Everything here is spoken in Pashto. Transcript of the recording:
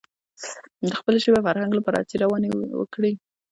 د خپلې ژبې او فرهنګ لپاره هڅې وکړي.